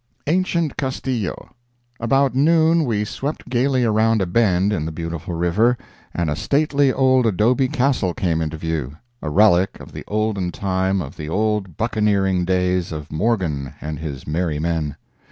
ANCIENT CASTILLO About noon, we swept gaily around a bend in the beautiful river, and a stately old adobe castle came into view—a relic of the olden time of the old buccaneering days of Morgan and his merry men.